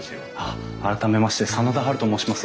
改めまして真田ハルと申します。